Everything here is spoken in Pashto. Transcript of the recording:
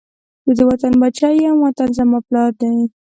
زه د وطن بچی یم، وطن زما پلار دی